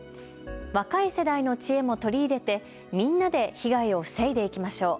若い世代の知恵も取り入れてみんなで被害を防いでいきましょう。